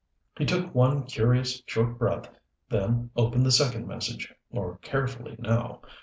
He took one curious, short breath, then opened the second message, more carefully now.